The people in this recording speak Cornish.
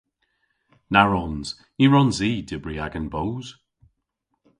Na wrons. Ny wrons i dybri agan boos.